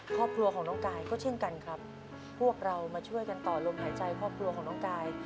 ครอบครัวของน้องกายก็เช่นกันครับพวกเรามาช่วยกันต่อลมหายใจครอบครัวของน้องกาย